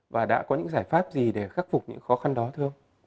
và đã có những giải pháp gì để khắc phục những khó khăn đó thưa ông